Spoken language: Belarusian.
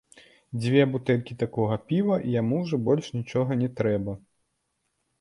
Дзве бутэлькі такога піва і яму ўжо больш нічога не трэба.